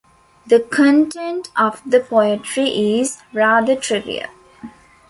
The content of the poetry is rather trivial.